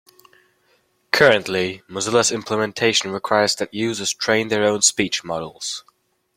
Currently, Mozilla's implementation requires that users train their own speech models.